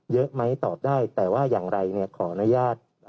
เยอะไม่ได้ตอบได้แต่ว่าอย่างอะไรเนี้ยขออนุญาต